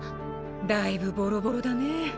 だいぶボロボロだね。